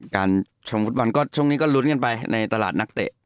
การชมฟุตบอลก็ช่วงนี้ก็ลุ้นกันไปในตลาดนักเตะ